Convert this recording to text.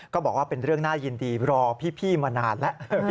บอกว่าเป็นเรื่องน่ายินดีรอพี่มานานแล้ว